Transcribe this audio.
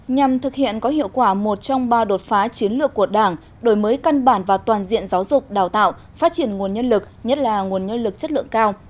nhằm thực hiện có hiệu quả một trong ba đột phá chiến lược của đảng đổi mới căn bản và toàn diện giáo dục đào tạo phát triển nguồn nhân lực nhất là nguồn nhân lực chất lượng cao